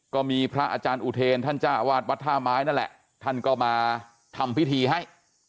ก็มีพระอาจารย์อุเทรนท่านจ้าวาดวัดท่าไม้นั่นแหละท่านก็มาทำพิธีให้